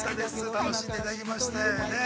楽しんでいただきまして。